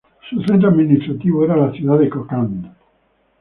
Su centro administrativo era la ciudad de Kokand.